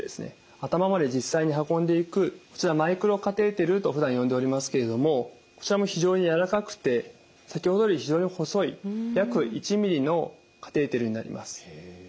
頭まで実際に運んでいくこちらマイクロカテーテルとふだん呼んでおりますけれどもこちらも非常に軟らかくて先ほどより非常に細い約１ｍｍのカテーテルになります。